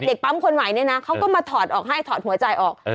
เด็กปั๊มคนใหม่เนี่ยนะเขาก็มาถอดออกให้ถอดหัวใจออก